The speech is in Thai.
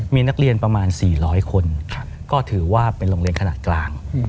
มีนักเรียนประมาณ๔๐๐คนก็ถือว่าเป็นโรงเรียนขนาดกลาง